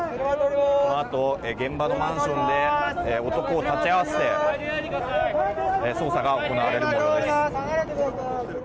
このあと、現場のマンションで男を立ち会わせて捜査が行われる模様です。